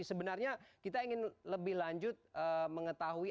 sebenarnya kita ingin lebih lanjut mengetahui